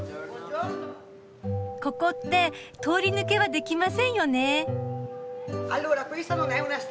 ここって通り抜けはできませんよね？